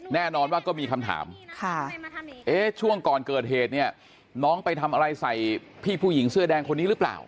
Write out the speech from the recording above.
แน่นอนว่าก็มีคำถามช่วงก่อนเกิดเหตุเนี่ยน้องไปทำอะไรใส่พี่ผู้หญิงเสื้อแดงคนนี้หรือเปล่า